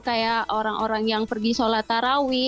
kayak orang orang yang pergi sholat tarawih